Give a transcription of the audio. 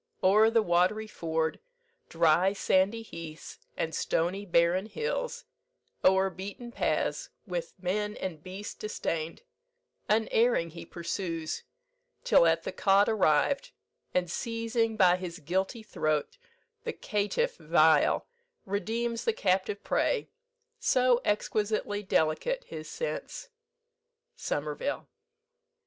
O'er the watery ford, Dry sandy heaths, and stony barren hills, O'er beaten paths, with men and beasts distain'd, Unerring he pursues; till at the cot Arriv'd, and seizing by his guilty throat The caitiff vile, redeems the captive prey: So exquisitely delicate his sense!" SOMERVILLE.